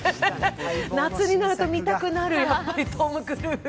夏になると見たくなる、やっぱりトム・クルーズ。